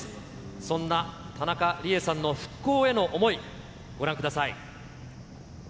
そんな田中理恵さんの復興への想い、ご覧ください。